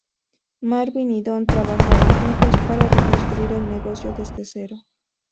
Marvin y Don trabajaron juntos para reconstruir el negocio desde cero.